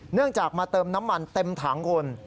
เนื่องจากมาเติมน้ำมันเต็มถังคุณ